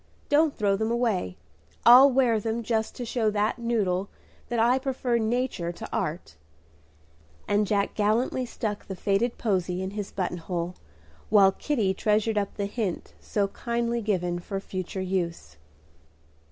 Don't throw them away. I'll wear them just to show that noodle that I prefer nature to art;" and Jack gallantly stuck the faded posy in his button hole, while Kitty treasured up the hint so kindly given for future use.